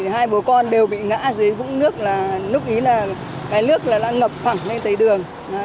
hai bố con đều bị ngã dưới vũng nước lúc ý là cái nước đã ngập phẳng lên tới đường